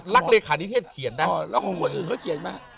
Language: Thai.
เลขานิเทศเขียนนะแล้วของคนอื่นเขาเขียนมา